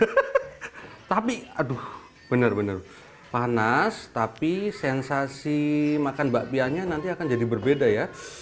panas tapi aduh benar benar panas tapi sensasi makan bakpianya nanti akan jadi berbeda ya